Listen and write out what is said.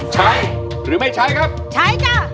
ใช้หรือไม่ใช้ครับใช้จ้ะ